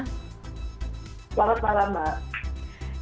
selamat malam mbak